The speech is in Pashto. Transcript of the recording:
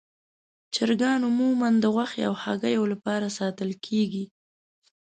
چرګان عموماً د غوښې او هګیو لپاره ساتل کېږي.